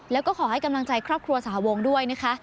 แล้วก็ขอให้กำลังใจครอบครัวสหวงด้วยนะคะ